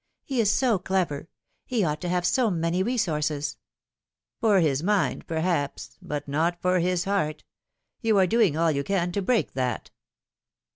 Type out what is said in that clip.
He is so clever ; he ought to have so many resources." 44 For his mind, perhaps ; but not for his heart. You are doing all you can to break that."